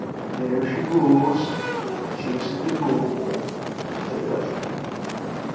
"Dere she goes, chasing de Gobel," said the Dutchman.